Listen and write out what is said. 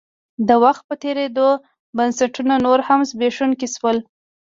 د وخت په تېرېدو بنسټونه نور هم زبېښونکي شول.